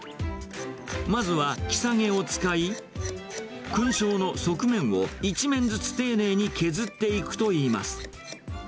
まずはキサゲを使い、勲章の側面を一面ずつ丁寧に削っていくといいます。